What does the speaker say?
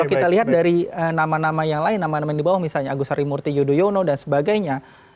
kalau kita lihat dari nama nama yang lain nama nama di bawah misalnya agus harimurti yudhoyono dan sebagainya